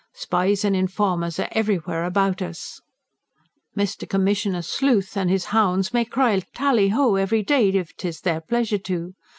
Spies and informers are everywhere about us. Mr. Commissioner Sleuth and his hounds may cry tally ho every day, if 'tis their pleasure to!